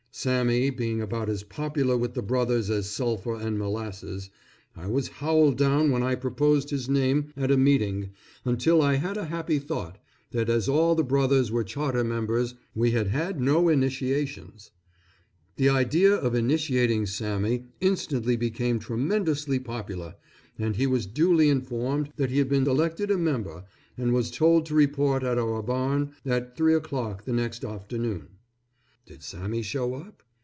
Sammy being about as popular with the Brothers as sulphur and molasses, I was howled down when I proposed his name at a meeting, until I had a happy thought, that as all the Brothers were charter members, we had had no initiations. The idea of initiating Sammy, instantly became tremendously popular, and he was duly informed that he had been elected a member, and was told to report at our barn at three o'clock the next afternoon. Did Sammy show up?